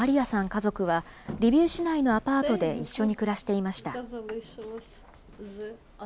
家族は、リビウ市内のアパートで一緒に暮らしていました。